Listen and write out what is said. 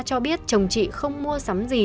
cho biết chồng chị không mua sắm gì